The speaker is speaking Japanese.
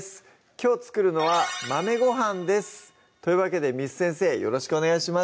きょう作るのは「豆ご飯」ですというわけで簾先生よろしくお願いします